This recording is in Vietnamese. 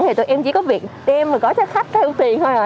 thì tụi em chỉ có việc đem và gói cho khách theo tiền thôi à